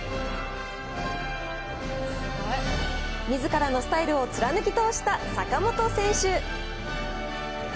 みずからのスタイルを貫き通した坂本選手。